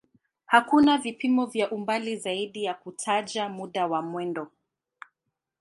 Hakuna vipimo vya umbali zaidi ya kutaja muda wa mwendo.